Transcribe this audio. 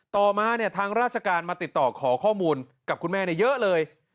ต่อมาเนี่ยทางราชการมาติดต่อขอข้อมูลกับคุณแม่เยอะเลย